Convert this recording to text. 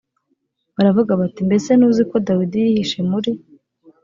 baravuga bati mbese ntuzi ko dawidi yihishe muri